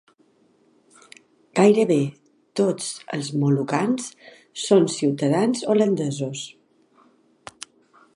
Gairebé tots els molucans són ciutadans holandesos.